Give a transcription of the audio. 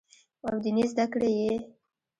او ديني زدکړې ئې